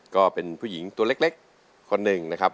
ก็เป็นผู้หญิงตัวเล็กคนหนึ่งนะครับ